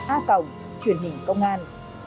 a cộng truyền hình công an